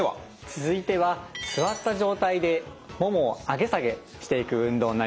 続いては座った状態でももを上げ下げしていく運動になります。